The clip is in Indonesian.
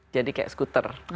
jadi kayak skuter